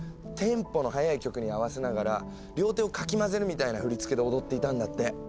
テンポの速い曲に合わせながら両手をかき混ぜるみたいな振り付けで踊っていたんだって。